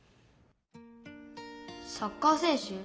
サッカー選手？